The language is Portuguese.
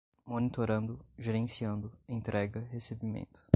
monitorando, gerenciando, entrega, recebimento